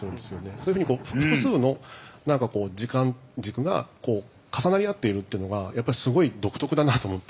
そういうふうにこう複数の時間軸が重なり合っているっていうのがやっぱりすごい独特だなと思って。